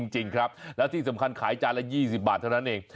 จริงครับแล้วที่สำคัญขายจานละ๒๐บาทเท่านั้นเอง